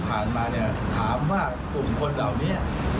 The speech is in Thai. บางพลักษณ์ผมเห็นก็เข้าไปิละ